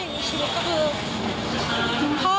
สิ่งหนึ่งที่อีฟรู้ตั้งแต่พ่ออยู่ในชีวิตก็คือ